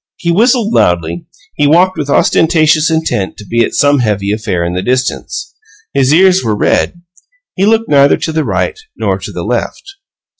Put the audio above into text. He whistled loudly; he walked with ostentatious intent to be at some heavy affair in the distance; his ears were red. He looked neither to the right nor to the left.